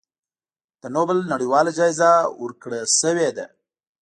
د نوبل نړیواله جایزه ورکړی شوې ده.